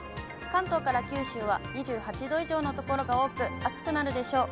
関東から九州は２８度以上の所が多く、暑くなるでしょう。